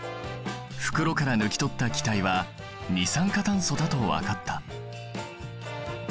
袋から抜き取った気体は二酸化炭素だと分かった。